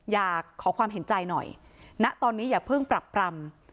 อยากขอความเห็นใจหน่อยณตอนนี้อย่าเพิ่งปรับปรำ